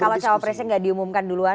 kalau jawab presiden gak diumumkan duluan